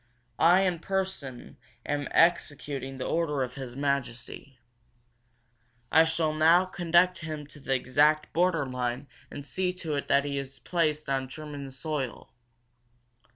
I in person am executing the order of His Majesty. I shall now conduct him to the exact border line and see to it that he is placed on German soil.